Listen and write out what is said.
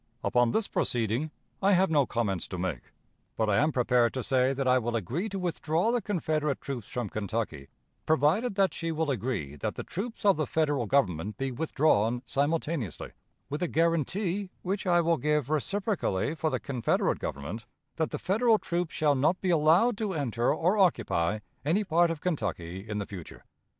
Upon this proceeding I have no comments to make. But I am prepared to say that I will agree to withdraw the Confederate troops from Kentucky, provided that she will agree that the troops of the Federal Government be withdrawn simultaneously, with a guarantee (which I will give reciprocally for the Confederate Government) that the Federal troops shall not be allowed to enter or occupy any part of Kentucky in the future.